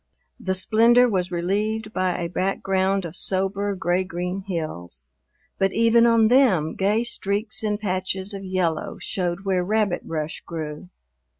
The splendor was relieved by a background of sober gray green hills, but even on them gay streaks and patches of yellow showed where rabbit brush grew.